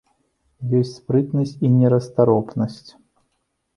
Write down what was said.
Ёсць спрытнасць і нерастаропнасць.